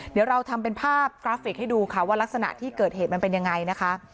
เดี๋ยวเราทำเป็นภาพกราฟิกให้ดูค่ะว่ารักษณะที่เกิดเหตุมันเป็นยังไงนะคะ